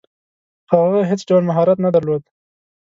هغه هیڅ ډول مهارت نه درلود.